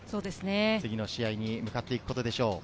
次の試合に向かっていくことでしょう。